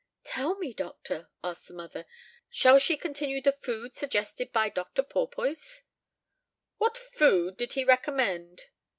"Tell me, doctor," asked the mother, "shall she continue the food suggested by Dr. Porpoise?" "What food did he recommend?"